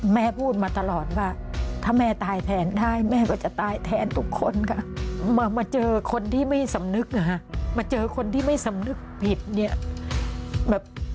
แม่พูดมาตลอดว่าถ้าแม่ตายแทนได้แม่ก็จะตายแทนทุกคนค่ะมาเจอคนที่ไม่สำนึกมาเจอคนที่ไม่สำนึกผิดเนี่ยแบบ